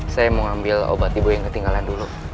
saya mau ambil obat ibu yang ketinggalan dulu